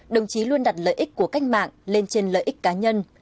đồng chí luôn đặt lợi ích của cách mạng lên trên lợi ích cá nhân